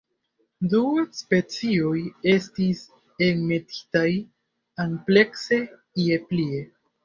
Du specioj estis enmetitaj amplekse ie plie.